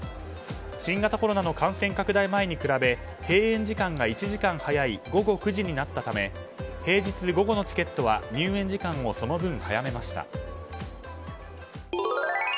新型コロナの感染拡大前に比べ閉園時間が１時間早い午後９時になったため平日午後のチケットは入園時間をその分早めました。